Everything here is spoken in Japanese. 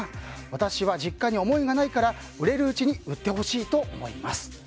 私は実家に思いがないから売れるうちに売ってほしいと思います。